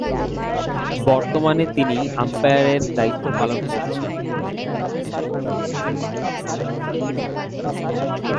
বর্তমানে তিনি আম্পায়ারের দায়িত্ব পালন করছেন।